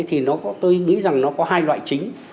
thì tôi nghĩ rằng nó có hai loại chính